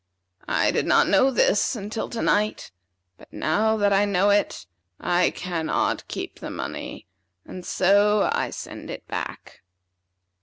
I did not know this until to night; but now that I know it, I cannot keep the money, and so I send it back."